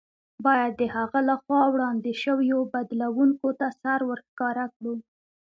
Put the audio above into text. باید د هغه له خوا وړاندې شویو بدلوونکو ته سر ورښکاره کړو.